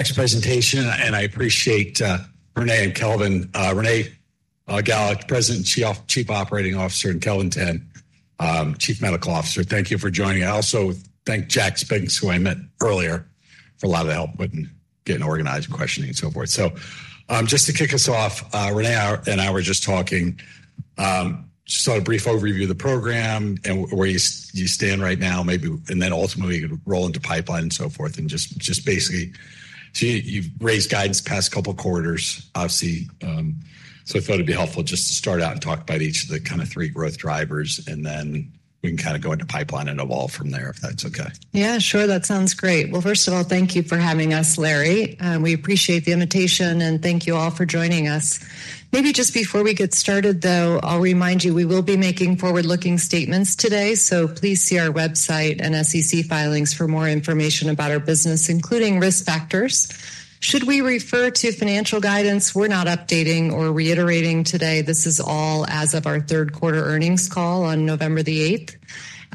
Thanks for presentation, and I appreciate Renée and Kelvin. Renée Galá, President, Chief Operating Officer, and Kelvin Tan, Chief Medical Officer. Thank you for joining. I also thank Jack Spinks, who I met earlier, for a lot of the help with getting organized and questioning and so forth. So, just to kick us off, Renée and I were just talking just on a brief overview of the program and where you stand right now, maybe, and then ultimately roll into pipeline and so forth. And just basically, so you've raised guidance past couple quarters, obviously. So I thought it'd be helpful just to start out and talk about each of the kind of three growth drivers, and then we can kind of go into pipeline and evolve from there, if that's okay. Yeah, sure. That sounds great. Well, first of all, thank you for having us, Larry. We appreciate the invitation, and thank you all for joining us. Maybe just before we get started, though, I'll remind you, we will be making forward-looking statements today, so please see our website and SEC filings for more information about our business, including risk factors. Should we refer to financial guidance? We're not updating or reiterating today. This is all as of our third quarter earnings call on November 8th.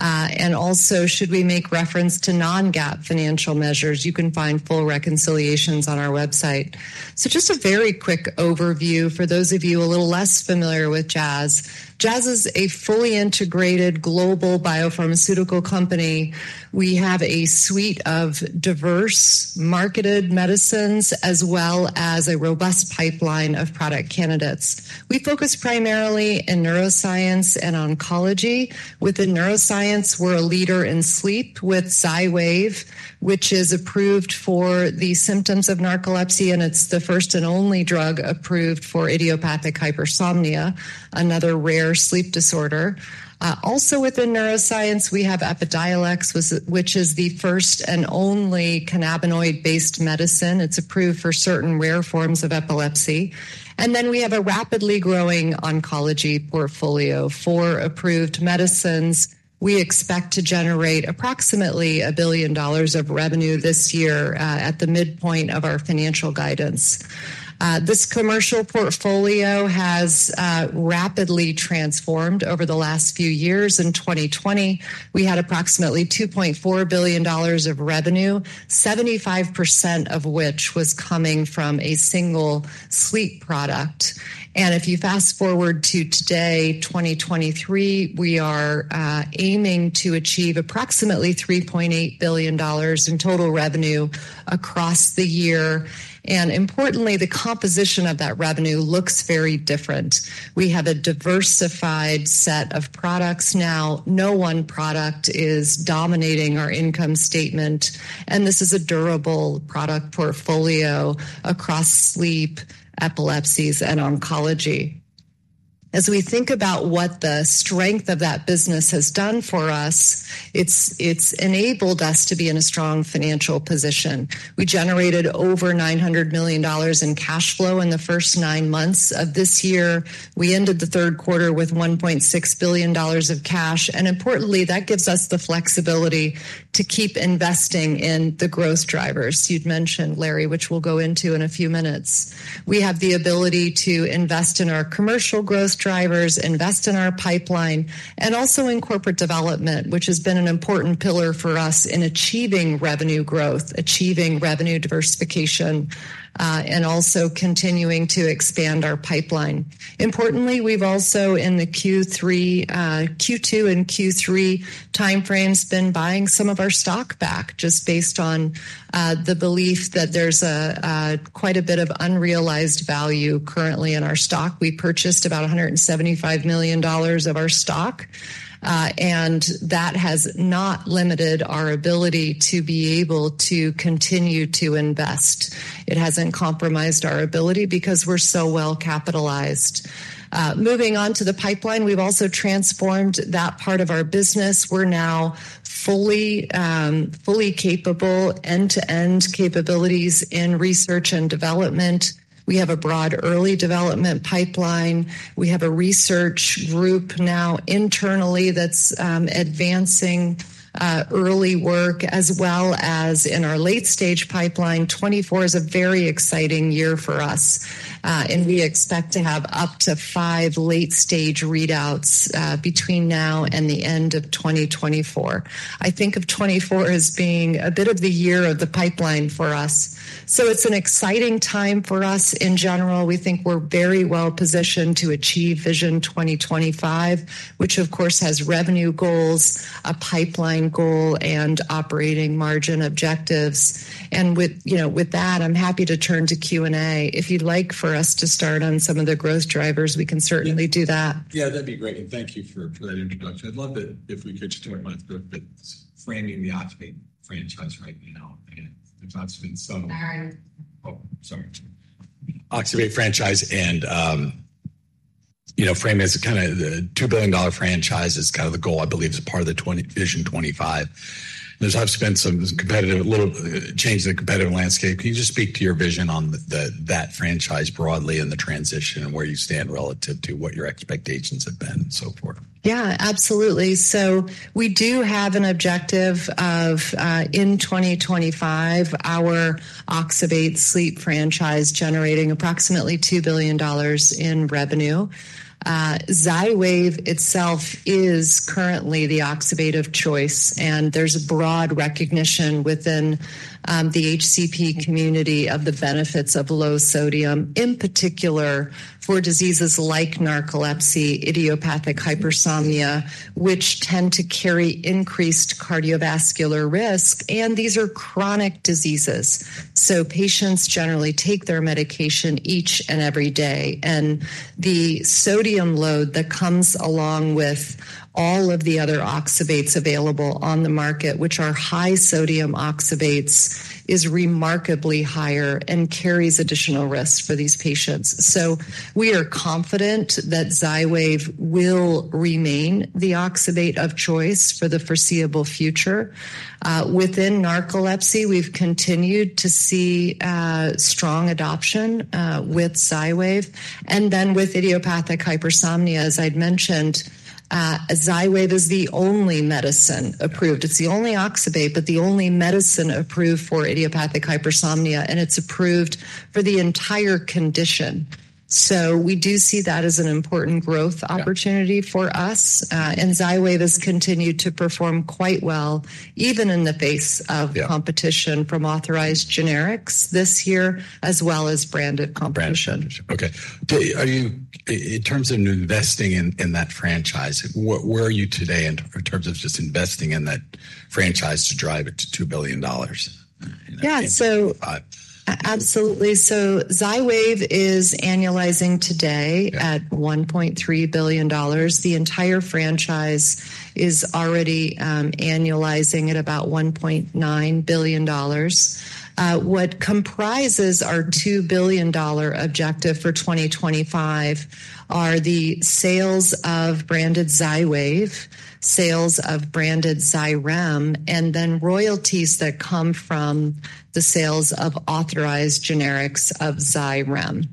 And also, should we make reference to non-GAAP financial measures, you can find full reconciliations on our website. So just a very quick overview for those of you a little less familiar with Jazz. Jazz is a fully integrated global biopharmaceutical company. We have a suite of diverse marketed medicines as well as a robust pipeline of product candidates. We focus primarily in neuroscience and oncology. Within neuroscience, we're a leader in sleep with XYWAV, which is approved for the symptoms of narcolepsy, and it's the first and only drug approved for idiopathic hypersomnia, another rare sleep disorder. Also within neuroscience, we have Epidiolex, which is the first and only cannabinoid-based medicine. It's approved for certain rare forms of epilepsy. Then we have a rapidly growing oncology portfolio. Four approved medicines. We expect to generate approximately $1 billion of revenue this year, at the midpoint of our financial guidance. This commercial portfolio has rapidly transformed over the last few years. In 2020, we had approximately $2.4 billion of revenue, 75% of which was coming from a single sleep product. If you fast-forward to today, 2023, we are aiming to achieve approximately $3.8 billion in total revenue across the year. Importantly, the composition of that revenue looks very different. We have a diversified set of products now. No one product is dominating our income statement, and this is a durable product portfolio across sleep, epilepsies, and oncology. As we think about what the strength of that business has done for us, it's enabled us to be in a strong financial position. We generated over $900 million in cash flow in the first nine months of this year. We ended the third quarter with $1.6 billion of cash, and importantly, that gives us the flexibility to keep investing in the growth drivers you'd mentioned, Larry, which we'll go into in a few minutes. We have the ability to invest in our commercial growth drivers, invest in our pipeline, and also in corporate development, which has been an important pillar for us in achieving revenue growth, achieving revenue diversification, and also continuing to expand our pipeline. Importantly, we've also in the Q3, Q2 and Q3 timeframes, been buying some of our stock back just based on the belief that there's a quite a bit of unrealized value currently in our stock. We purchased about $175 million of our stock, and that has not limited our ability to be able to continue to invest. It hasn't compromised our ability because we're so well capitalized. Moving on to the pipeline, we've also transformed that part of our business. We're now fully, fully capable end-to-end capabilities in research and development. We have a broad early development pipeline. We have a research group now internally that's advancing early work as well as in our late-stage pipeline. 2024 is a very exciting year for us, and we expect to have up to five late-stage readouts, between now and the end of 2024. I think of 2024 as being a bit of the year of the pipeline for us. So it's an exciting time for us in general. We think we're very well positioned to achieve Vision 2025, which of course, has revenue goals, a pipeline goal, and operating margin objectives. And with, you know, with that, I'm happy to turn to Q&A. If you'd like for us to start on some of the growth drivers, we can certainly do that. Yeah, that'd be great. And thank you for that introduction. I'd love it if we could start by framing the oxybate franchise right now. There's obviously been some- All right. Oh, sorry. Oxybate franchise and, you know, framing as kinda the $2 billion franchise is kind of the goal, I believe is a part of the Vision 2025. There's obviously been some competitive little change in the competitive landscape. Can you just speak to your vision on the, that franchise broadly and the transition and where you stand relative to what your expectations have been and so forth? Yeah, absolutely. So we do have an objective of in 2025, our oxybate sleep franchise generating approximately $2 billion in revenue. XYWAV itself is currently the oxybate of choice, and there's a broad recognition within the HCP community of the benefits of low sodium, in particular for diseases like narcolepsy, idiopathic hypersomnia, which tend to carry increased cardiovascular risk. And these are chronic diseases, so patients generally take their medication each and every day. And the sodium load that comes along with all of the other oxybates available on the market, which are high sodium oxybates, is remarkably higher and carries additional risks for these patients. So we are confident that XYWAV will remain the oxybate of choice for the foreseeable future. Within narcolepsy, we've continued to see strong adoption with XYWAV. With idiopathic hypersomnia, as I'd mentioned, XYWAV is the only medicine approved. It's the only oxybate, but the only medicine approved for idiopathic hypersomnia, and it's approved for the entire condition. So we do see that as an important growth opportunity- Yeah. -for us. And XYWAV has continued to perform quite well, even in the face of- Yeah... competition from authorized Generics this year, as well as branded competition. Branded. Okay. Do you in terms of investing in, in that franchise, where, where are you today in, in terms of just investing in that franchise to drive it to $2 billion? Yeah. So- Uh. Absolutely. So XYWAV is annualizing today- Yeah... at $1.3 billion. The entire franchise is already annualizing at about $1.9 billion. What comprises our $2 billion objective for 2025 are the sales of branded XYWAV, sales of branded XYREM, and then royalties that come from the sales of authorized generics of XYREM.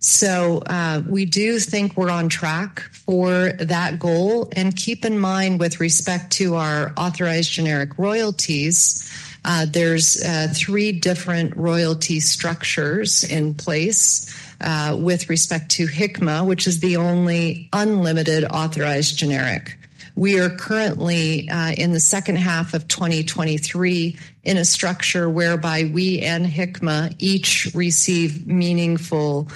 So, we do think we're on track for that goal. And keep in mind, with respect to our authorized generic royalties, there's three different royalty structures in place with respect to Hikma, which is the only unlimited authorized generic. We are currently in the second half of 2023, in a structure whereby we and Hikma each receive meaningful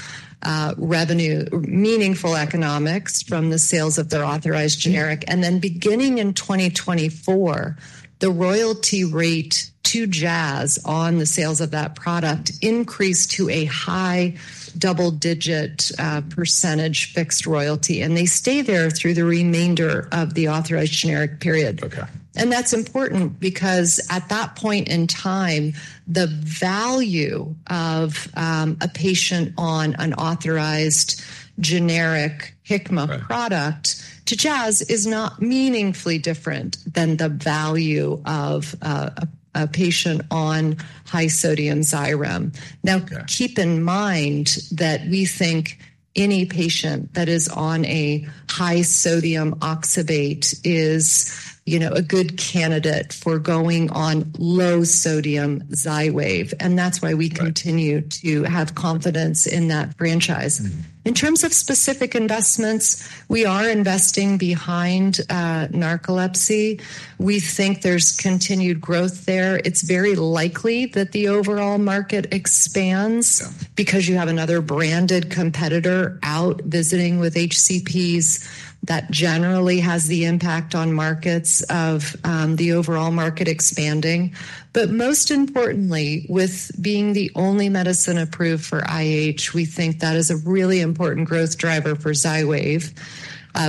revenue, meaningful economics from the sales of their authorized generic. And then beginning in 2024, the royalty rate to Jazz on the sales of that product increased to a high double-digit percentage fixed royalty, and they stay there through the remainder of the authorized generic period. Okay. That's important because at that point in time, the value of a patient on an authorized generic Hikma product. Right to Jazz is not meaningfully different than the value of a patient on high sodium XYREM. Okay. Now, keep in mind that we think any patient that is on a high sodium oxybate is, you know, a good candidate for going on low sodium XYWAV, and that's why we- Right... continue to have confidence in that franchise. Mm-hmm. In terms of specific investments, we are investing behind narcolepsy. We think there's continued growth there. It's very likely that the overall market expands- Yeah... because you have another branded competitor out visiting with HCPs. That generally has the impact on markets of, the overall market expanding. But most importantly, with being the only medicine approved for IH, we think that is a really important growth driver for XYWAV.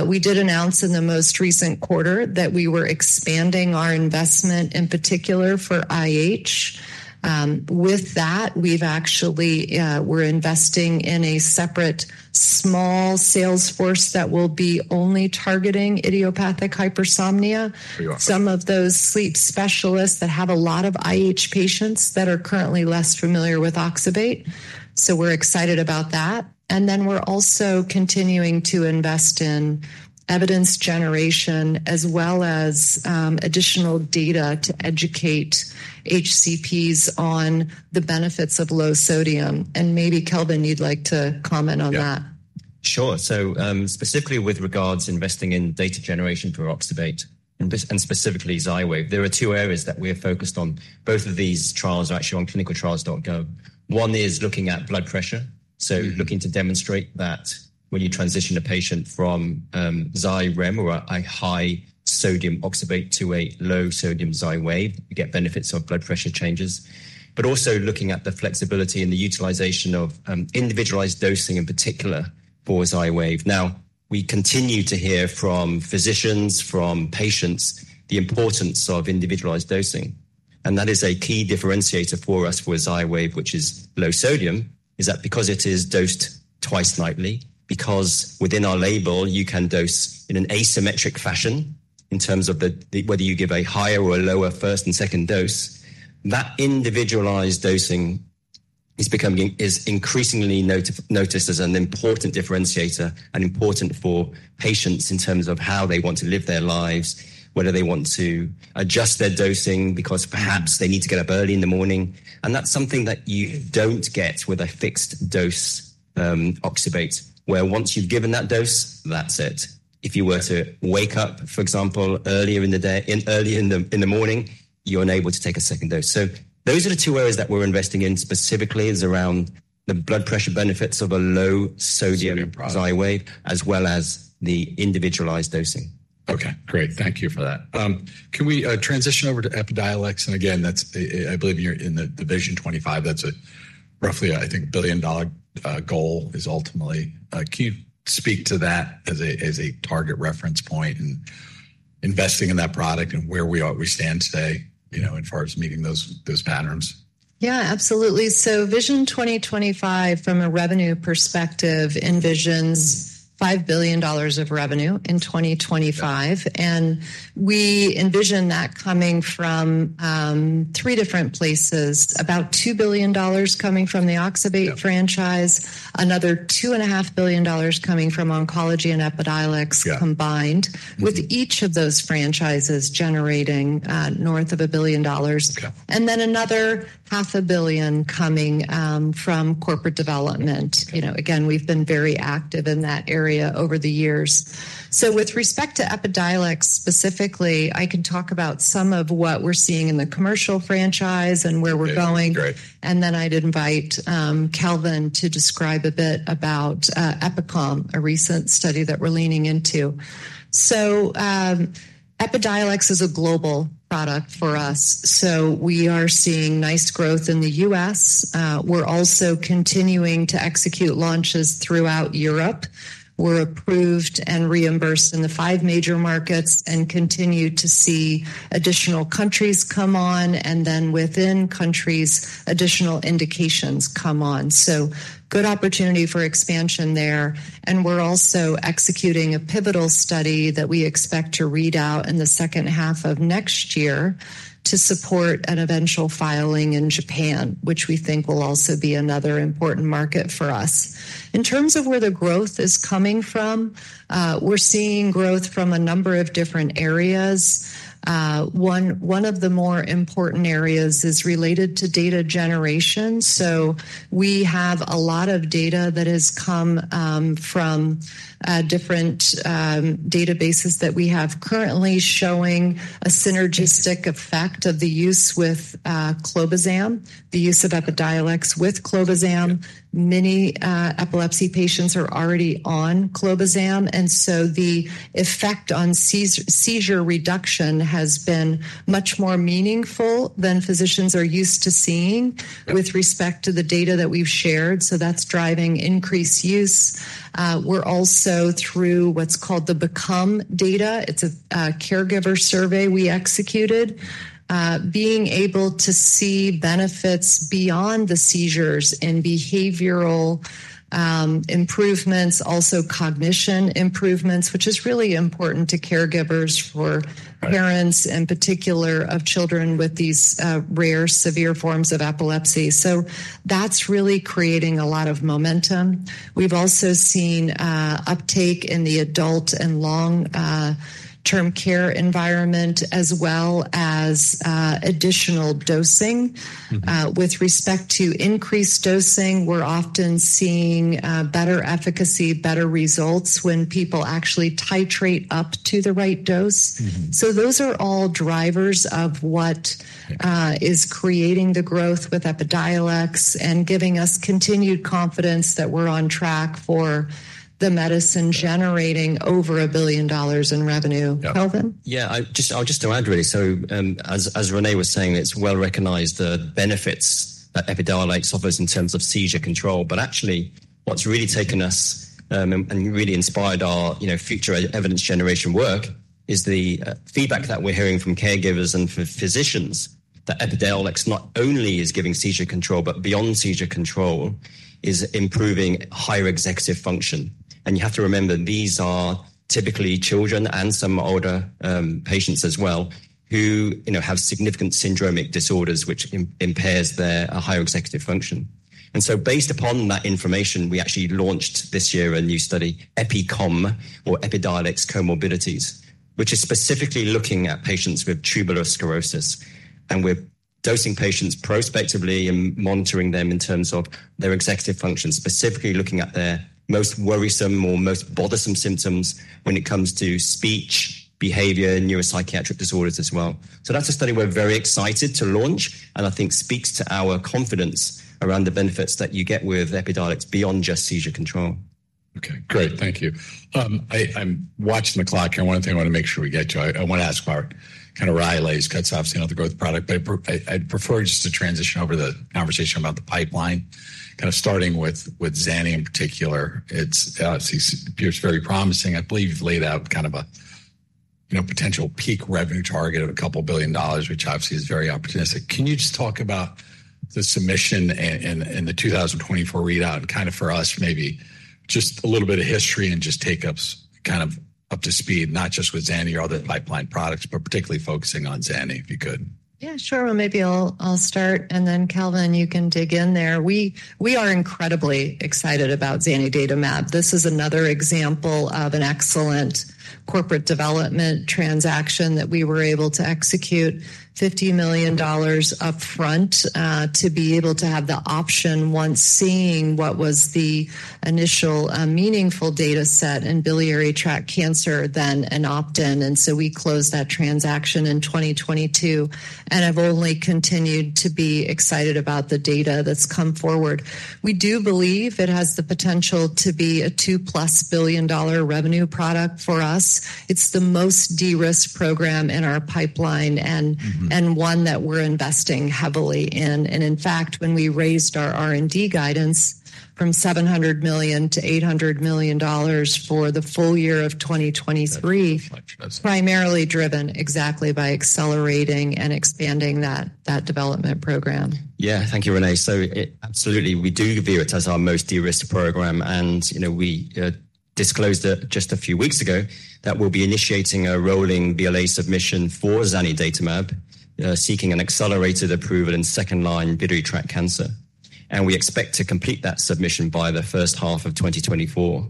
We did announce in the most recent quarter that we were expanding our investment, in particular for IH. With that, we've actually, we're investing in a separate small sales force that will be only targeting idiopathic hypersomnia. Awesome. Some of those sleep specialists that have a lot of IH patients that are currently less familiar with oxybate, so we're excited about that. And then we're also continuing to invest in evidence generation as well as additional data to educate HCPs on the benefits of low sodium. And maybe, Kelvin, you'd like to comment on that. Yeah. Sure. So, specifically with regards to investing in data generation for oxybate and specifically XYWAV, there are two areas that we are focused on. Both of these trials are actually on clinicaltrials.gov. One is looking at blood pressure. Mm-hmm. So looking to demonstrate that when you transition a patient from XYREM or a high sodium oxybate to a low sodium XYWAV, you get benefits of blood pressure changes. But also looking at the flexibility and the utilization of individualized dosing in particular for XYWAV. Now, we continue to hear from physicians, from patients, the importance of individualized dosing... and that is a key differentiator for us for XYWAV, which is low sodium, is that because it is dosed twice nightly, because within our label, you can dose in an asymmetric fashion in terms of the whether you give a higher or a lower first and second dose. That individualized dosing is becoming increasingly noticed as an important differentiator and important for patients in terms of how they want to live their lives, whether they want to adjust their dosing because perhaps they need to get up early in the morning. And that's something that you don't get with a fixed-dose oxybate, where once you've given that dose, that's it. If you were to wake up, for example, earlier in the day in the morning, you're unable to take a second dose. So those are the two areas that we're investing in specifically, is around the blood pressure benefits of a low sodium- Great. XYWAV, as well as the individualized dosing. Okay, great. Thank you for that. Can we transition over to Epidiolex? And again, that's, I believe you're in the Vision 2025. That's a roughly, I think, billion-dollar goal ultimately. Can you speak to that as a target reference point and investing in that product and where we are, we stand today, you know, as far as meeting those patterns? Yeah, absolutely. So Vision 2025, from a revenue perspective, envisions $5 billion of revenue in 2025. Yeah. We envision that coming from three different places. About $2 billion coming from the oxybate- Yeah - franchise, another $2.5 billion coming from oncology and Epidiolex- Yeah - combined, with each of those franchises generating north of $1 billion. Okay. And then another $500 million coming from corporate development. You know, again, we've been very active in that area over the years. So with respect to Epidiolex specifically, I can talk about some of what we're seeing in the commercial franchise and where we're going. Okay, great. And then I'd invite Kelvin to describe a bit about EPICOM, a recent study that we're leaning into. So, Epidiolex is a global product for us, so we are seeing nice growth in the U.S. We're also continuing to execute launches throughout Europe. We're approved and reimbursed in the five major markets and continue to see additional countries come on, and then within countries, additional indications come on. So good opportunity for expansion there, and we're also executing a pivotal study that we expect to read out in the second half of next year to support an eventual filing in Japan, which we think will also be another important market for us. In terms of where the growth is coming from, we're seeing growth from a number of different areas. One of the more important areas is related to data generation. So we have a lot of data that has come from different databases that we have currently showing a synergistic effect of the use with clobazam, the use of Epidiolex with clobazam. Yeah. Many epilepsy patients are already on clobazam, and so the effect on seizure reduction has been much more meaningful than physicians are used to seeing- Right - with respect to the data that we've shared, so that's driving increased use. We're also through what's called the EPICOM data. It's a caregiver survey we executed. Being able to see benefits beyond the seizures in behavioral improvements, also cognition improvements, which is really important to caregivers for- Right Parents, in particular, of children with these rare, severe forms of epilepsy. So that's really creating a lot of momentum. We've also seen uptake in the adult and long-term care environment, as well as additional dosing. Mm-hmm. With respect to increased dosing, we're often seeing better efficacy, better results when people actually titrate up to the right dose. Mm-hmm. Those are all drivers of what? Yeah... is creating the growth with Epidiolex and giving us continued confidence that we're on track for the medicine- Yeah - generating over $1 billion in revenue. Yeah. Kelvin? Yeah, I'll just add, really, so, as Renée was saying, it's well recognized, the benefits that Epidiolex offers in terms of seizure control. But actually, what's really taken us and really inspired our, you know, future evidence generation work is the feedback that we're hearing from caregivers and from physicians, that Epidiolex not only is giving seizure control, but beyond seizure control, is improving higher executive function. And you have to remember, these are typically children and some older patients as well, who, you know, have significant syndromic disorders, which impairs their higher executive function. And so based upon that information, we actually launched this year a new study, EPICOM or Epidiolex Comorbidities, which is specifically looking at patients with tuberous sclerosis. We're dosing patients prospectively and monitoring them in terms of their executive function, specifically looking at their most worrisome or most bothersome symptoms when it comes to speech, behavior, neuropsychiatric disorders as well. That's a study we're very excited to launch and I think speaks to our confidence around the benefits that you get with Epidiolex beyond just seizure control. Okay, great. Thank you. I'm watching the clock here. One thing I wanna make sure we get to. I wanna ask Mark, kind of Rylaze, you know, the growth product, but I'd prefer just to transition over the conversation about the pipeline. Kind of starting with, with Zani in particular. It seems, appears very promising. I believe you've laid out kind of a you know, potential peak revenue target of $2 billion, which obviously is very opportunistic. Can you just talk about the submission and, and, and the 2024 readout and kind of for us, maybe just a little bit of history and just take us kind of up to speed, not just with Zani or other pipeline products, but particularly focusing on Zani, if you could. Yeah, sure. Well, maybe I'll start, and then Kelvin, you can dig in there. We are incredibly excited about zanidatamab. This is another example of an excellent corporate development transaction that we were able to execute $50 million upfront to be able to have the option once seeing what was the initial meaningful data set in biliary tract cancer, then an opt-in. And so we closed that transaction in 2022, and I've only continued to be excited about the data that's come forward. We do believe it has the potential to be a $2+ billion revenue product for us. It's the most de-risked program in our pipeline and- Mm-hmm. —and one that we're investing heavily in. And in fact, when we raised our R&D guidance from $700 million-$800 million for the full year of 2023- That's much. primarily driven exactly by accelerating and expanding that development program. Yeah. Thank you, Renée. So it absolutely, we do view it as our most de-risked program, and, you know, we disclosed it just a few weeks ago that we'll be initiating a rolling BLA submission for zanidatamab, seeking an accelerated approval in second-line biliary tract cancer. And we expect to complete that submission by the first half of 2024.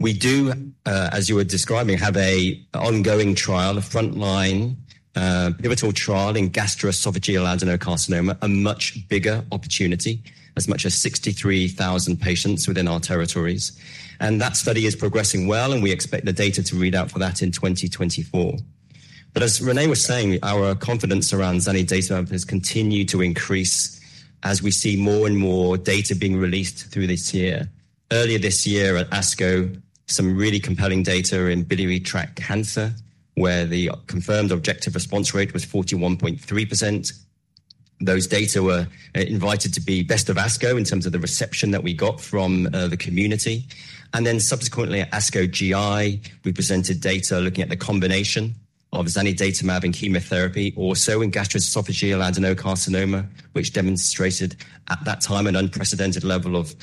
We do, as you were describing, have an ongoing trial, a frontline pivotal trial in gastroesophageal adenocarcinoma, a much bigger opportunity, as much as 63,000 patients within our territories. And that study is progressing well, and we expect the data to read out for that in 2024. But as Renée was saying, our confidence around zanidatamab has continued to increase as we see more and more data being released through this year. Earlier this year at ASCO, some really compelling data in biliary tract cancer, where the confirmed objective response rate was 41.3%. Those data were invited to be best of ASCO in terms of the reception that we got from the community. And then subsequently, at ASCO GI, we presented data looking at the combination of zanidatamab and chemotherapy, also in gastroesophageal adenocarcinoma, which demonstrated, at that time, an unprecedented level of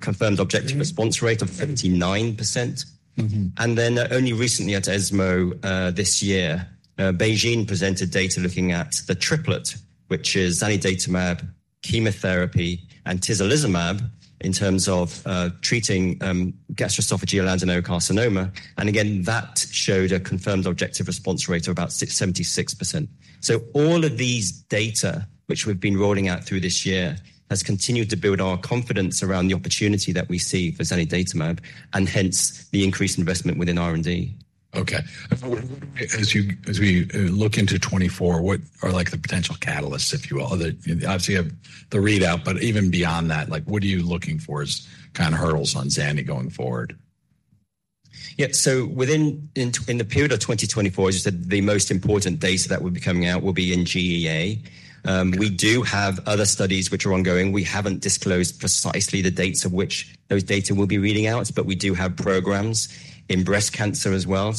confirmed objective response rate of 59%. Mm-hmm. And then only recently at ESMO, this year, BeiGene presented data looking at the triplet, which is zanidatamab, chemotherapy, and tislelizumab, in terms of treating gastroesophageal adenocarcinoma. And again, that showed a confirmed objective response rate of about 76%. So all of these data, which we've been rolling out through this year, has continued to build our confidence around the opportunity that we see for zanidatamab, and hence, the increased investment within R&D. Okay. As we look into 2024, what are like the potential catalysts, if you will? That obviously you have the readout, but even beyond that, like, what are you looking for as kind of hurdles on Zani going forward? Yeah, so within the period of 2024, as you said, the most important data that would be coming out will be in GEA. Okay. We do have other studies which are ongoing. We haven't disclosed precisely the dates of which those data will be reading out, but we do have programs in breast cancer as well.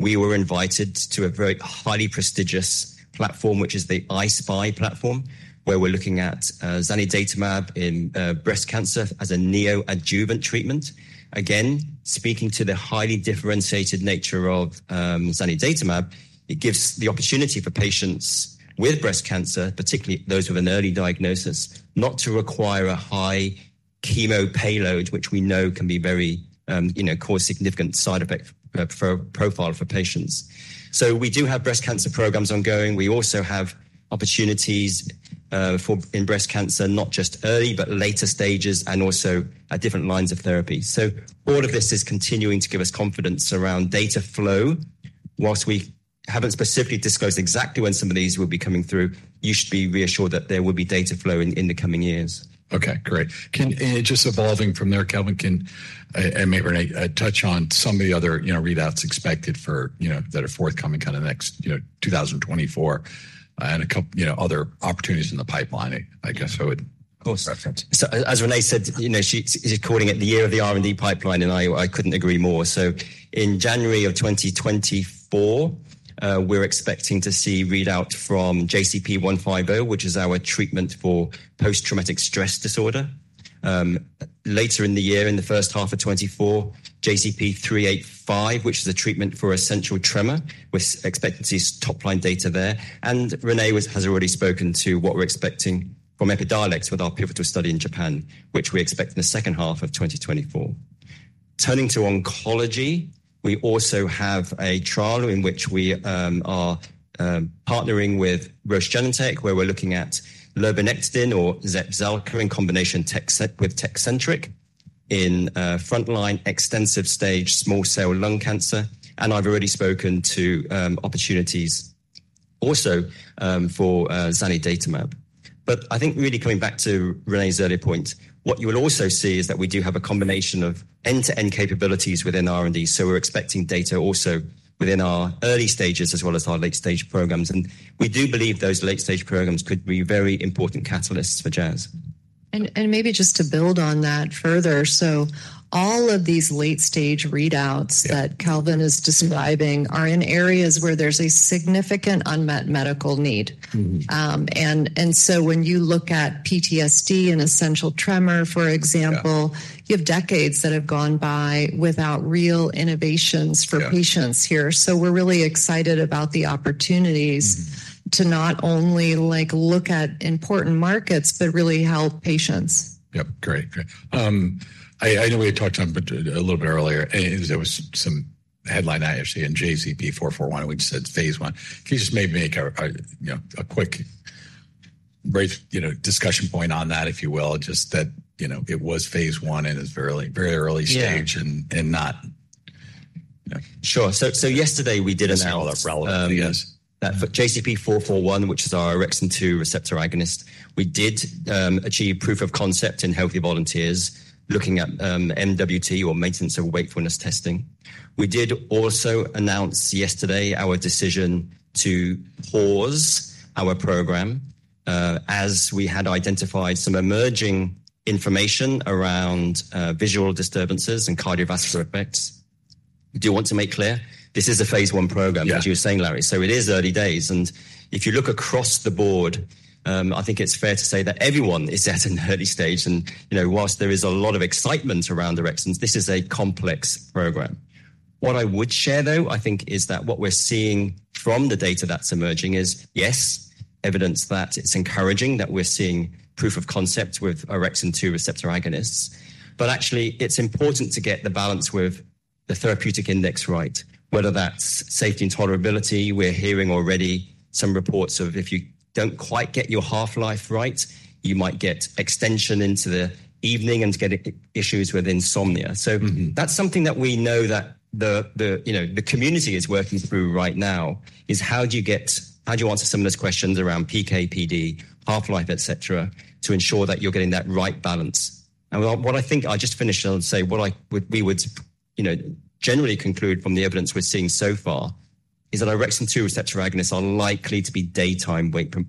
We were invited to a very highly prestigious platform, which is the I-SPY platform, where we're looking at zanidatamab in breast cancer as a neoadjuvant treatment. Again, speaking to the highly differentiated nature of zanidatamab, it gives the opportunity for patients with breast cancer, particularly those with an early diagnosis, not to require a high chemo payload, which we know can be very, you know, cause significant side-effect profile for patients. We do have breast cancer programs ongoing. We also have opportunities in breast cancer, not just early, but later stages, and also at different lines of therapy. So all of this is continuing to give us confidence around data flow. Whilst we haven't specifically disclosed exactly when some of these will be coming through, you should be reassured that there will be data flow in the coming years. Okay, great. Can just evolving from there, Kelvin, can, and maybe Renée, touch on some of the other, you know, readouts expected for, you know, that are forthcoming kind of next, you know, 2024, and a coup- you know, other opportunities in the pipeline, I, I guess I would- Of course. -reference. So as Renee said, you know, she's calling it the year of the R&D pipeline, and I couldn't agree more. So in January of 2024, we're expecting to see readout from JZP150, which is our treatment for post-traumatic stress disorder. Later in the year, in the first half of 2024, JZP385, which is a treatment for essential tremor, we expect to see top-line data there. And Renée has already spoken to what we're expecting from Epidiolex with our pivotal study in Japan, which we expect in the second half of 2024. Turning to oncology, we also have a trial in which we are partnering with Roche Genentech, where we're looking at lurbinectedin or Zepzelca in combination with Tecentriq in frontline extensive-stage small cell lung cancer. I've already spoken to opportunities also for zanidatamab. But I think really coming back to Renée's earlier point, what you will also see is that we do have a combination of end-to-end capabilities within R&D, so we're expecting data also within our early stages as well as our late-stage programs. We do believe those late-stage programs could be very important catalysts for Jazz.... and maybe just to build on that further. So all of these late-stage readouts- Yeah. that Kelvin is describing are in areas where there's a significant unmet medical need. Mm. So when you look at PTSD and essential tremor, for example. Yeah. you have decades that have gone by without real innovations for- Yeah -patients here. So we're really excited about the opportunities- Mm. to not only, like, look at important markets, but really help patients. Yep, great. Great. I know we had talked about a little bit earlier, and there was some headline, actually, in JZP441, and we just said phase one. Can you just maybe make a quick, brief, you know, discussion point on that, if you will? Just that, you know, it was phase one and is very, very early stage- Yeah. and not, you know. Sure. So yesterday we did announce- Relevant, yes. That for JZP441, which is our orexin-2 receptor agonist, we did achieve proof of concept in healthy volunteers looking at MWT or maintenance of wakefulness testing. We did also announce yesterday our decision to pause our program as we had identified some emerging information around visual disturbances and cardiovascular effects. Do you want to make clear? This is a phase one program- Yeah. As you were saying, Larry. So it is early days, and if you look across the board, I think it's fair to say that everyone is at an early stage. And, you know, while there is a lot of excitement around the orexins, this is a complex program. What I would share, though, I think, is that what we're seeing from the data that's emerging is, yes, evidence that it's encouraging, that we're seeing proof of concept with orexin-2 receptor agonists. But actually, it's important to get the balance with the therapeutic index right, whether that's safety and tolerability. We're hearing already some reports of if you don't quite get your half-life right, you might get extension into the evening and get issues with insomnia. Mm-hmm. So that's something that we know that the you know the community is working through right now, is how do you get-- how do you answer some of those questions around PK/PD, half-life, et cetera, to ensure that you're getting that right balance? And what I think I'll just finish and say, what I would, we would, you know, generally conclude from the evidence we're seeing so far is that orexin-2 receptor agonists are likely to be daytime wakeful...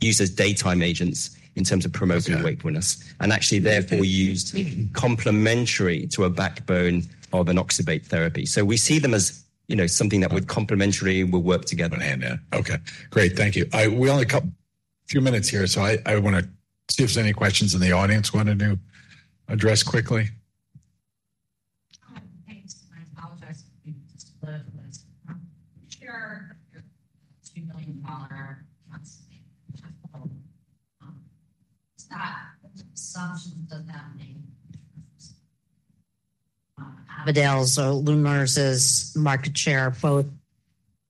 Used as daytime agents in terms of promoting- Okay wakefulness, and actually, therefore, used complementary to a backbone of an oxybate therapy. So we see them as, you know, something that would complementary will work together. Yeah, yeah. Okay, great. Thank you. We only have a couple few minutes here, so I wanna see if there's any questions in the audience wanted to address quickly. Thanks. I apologize if you just live with this. Sure, your $2 million constant, that assumption, does that mean Defitelio or Lumryz's market share, both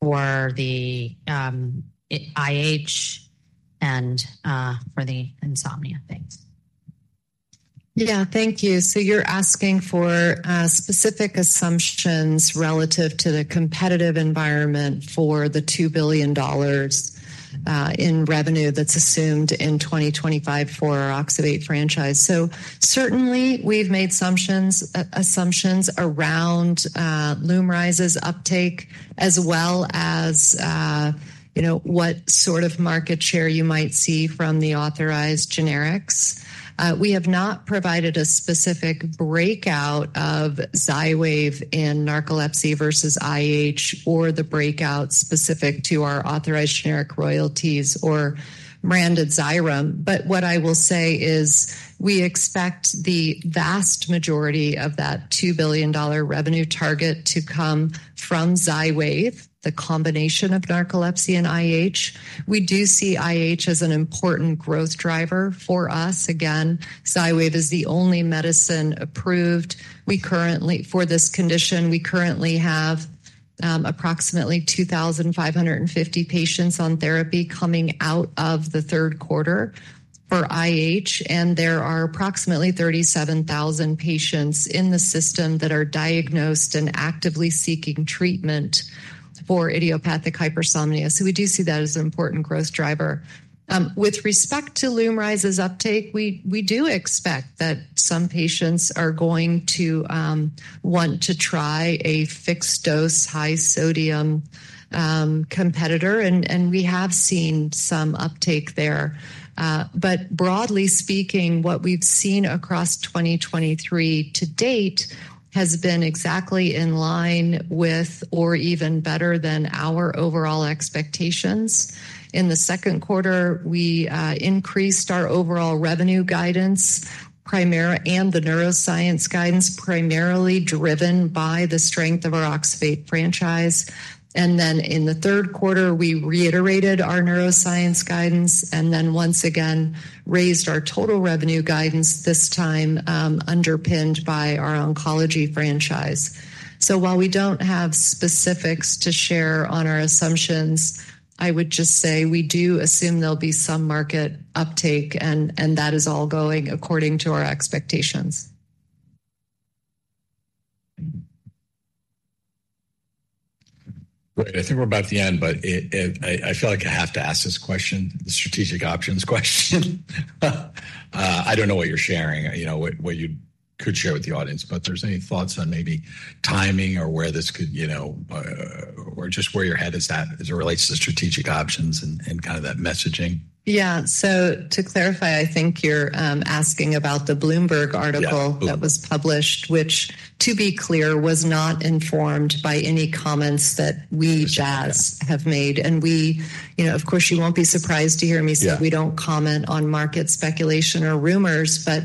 for the IH and for the insomnia things? Yeah, thank you. So you're asking for specific assumptions relative to the competitive environment for the $2 billion in revenue that's assumed in 2025 for our oxybate franchise. So certainly, we've made assumptions around Lumryz's uptake, as well as, you know, what sort of market share you might see from the authorized generics. We have not provided a specific breakout of XYWAV in narcolepsy versus IH or the breakout specific to our authorized generic royalties or branded XYREM. But what I will say is, we expect the vast majority of that $2 billion revenue target to come from XYWAV, the combination of narcolepsy and IH. We do see IH as an important growth driver for us. Again, XYWAV is the only medicine approved. For this condition, we currently have approximately 2,550 patients on therapy coming out of the third quarter for IH, and there are approximately 37,000 patients in the system that are diagnosed and actively seeking treatment for idiopathic hypersomnia. So we do see that as an important growth driver. With respect to Lumryz's uptake, we do expect that some patients are going to want to try a fixed-dose, high-sodium competitor, and we have seen some uptake there. But broadly speaking, what we've seen across 2023 to date has been exactly in line with or even better than our overall expectations. In the second quarter, we increased our overall revenue guidance, and the neuroscience guidance, primarily driven by the strength of our oxybate franchise. Then in the third quarter, we reiterated our neuroscience guidance, and then once again, raised our total revenue guidance, this time, underpinned by our oncology franchise. While we don't have specifics to share on our assumptions, I would just say we do assume there'll be some market uptake, and, and that is all going according to our expectations. Great. I think we're about at the end, but I feel like I have to ask this question, the strategic options question. I don't know what you're sharing, you know, what you could share with the audience, but if there's any thoughts on maybe timing or where this could, you know, or just where your head is at as it relates to strategic options and kind of that messaging. Yeah. So to clarify, I think you're asking about the Bloomberg article- Yeah. That was published, which, to be clear, was not informed by any comments that we, Jazz, have made. And we, you know, of course, you won't be surprised to hear me say- Yeah... we don't comment on market speculation or rumors, but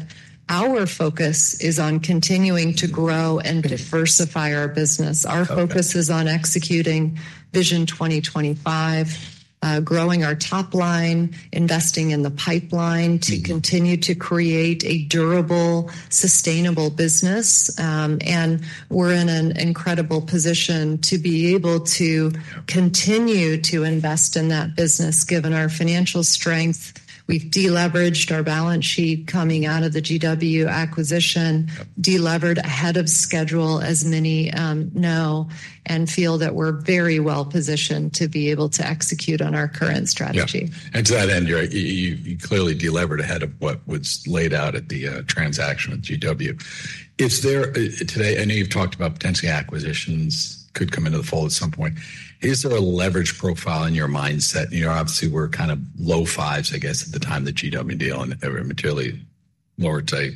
our focus is on continuing to grow and diversify our business. Okay. Our focus is on executing Vision 2025, growing our top line, investing in the pipeline to continue to create a durable, sustainable business. And we're in an incredible position to be able to- Yeah continue to invest in that business, given our financial strength. We've deleveraged our balance sheet coming out of the GW acquisition- Yep. delevered ahead of schedule, as many know, and feel that we're very well positioned to be able to execute on our current strategy. Yeah. And to that end, you clearly delevered ahead of what was laid out at the transaction with GW. Is there today, I know you've talked about potentially acquisitions could come into the fold at some point. Is there a leverage profile in your mindset? You know, obviously, we're kind of low fives, I guess, at the time of the GW deal and ever materially lower tight,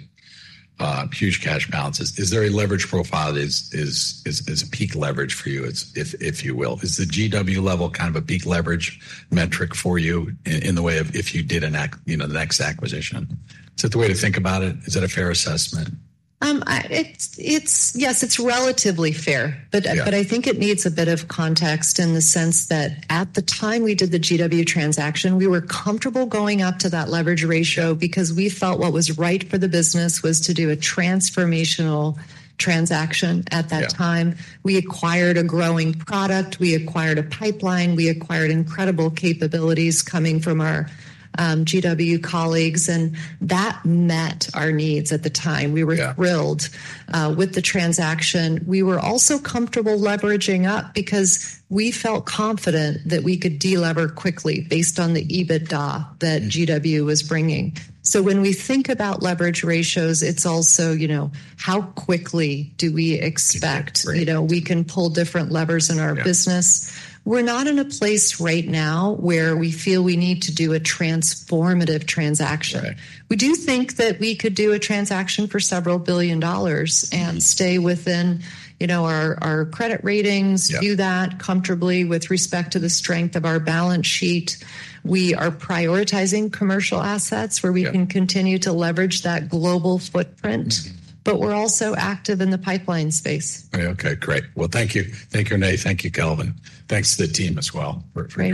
huge cash balances. Is there a leverage profile that is a peak leverage for you, it's, if you will? Is the GW level kind of a peak leverage metric for you in the way of if you did an acquisition? You know, the next acquisition? Is that the way to think about it? Is that a fair assessment? Yes, it's relatively fair. Yeah. But, I think it needs a bit of context in the sense that at the time we did the GW transaction, we were comfortable going up to that leverage ratio because we felt what was right for the business was to do a transformational transaction at that time. Yeah. We acquired a growing product, we acquired a pipeline, we acquired incredible capabilities coming from our GW colleagues, and that met our needs at the time. Yeah. We were thrilled with the transaction. We were also comfortable leveraging up because we felt confident that we could delever quickly based on the EBITDA that GW was bringing. So when we think about leverage ratios, it's also, you know, how quickly do we expect- Right. You know, we can pull different levers in our business. Yeah. We're not in a place right now where we feel we need to do a transformative transaction. Right. We do think that we could do a transaction for several billion dollars and stay within, you know, our credit ratings- Yeah... do that comfortably with respect to the strength of our balance sheet. We are prioritizing commercial assets- Yeah where we can continue to leverage that global footprint. Mm-hmm. But we're also active in the pipeline space. Okay, great. Well, thank you. Thank you, Renée. Thank you, Kelvin. Thanks to the team as well for your-